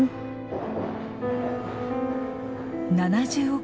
７０億